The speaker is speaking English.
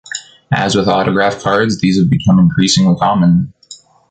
As with autograph cards, these have become increasingly common.